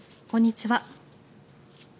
こんにちは。